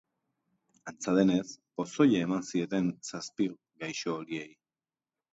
Antza denez, pozoia eman zieten zazpi gaixo horiei.